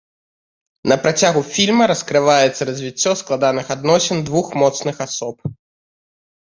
На працягу фільма раскрываецца развіццё складаных адносін дзвюх моцных асоб.